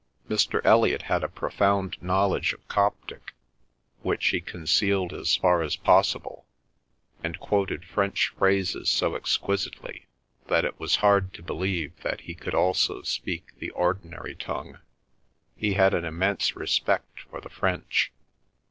Mr. Elliot had a profound knowledge of Coptic, which he concealed as far as possible, and quoted French phrases so exquisitely that it was hard to believe that he could also speak the ordinary tongue. He had an immense respect for the French.